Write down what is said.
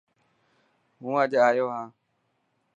هون اڄ آيو هان.